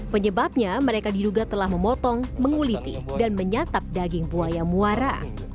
penyebabnya mereka diduga telah memotong menguliti dan menyatap daging buaya muara